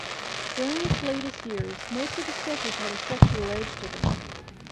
During its latest years, most of the sketches had a sexual edge to them.